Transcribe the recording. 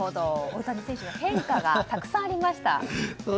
大谷選手の変化がたくさんありました。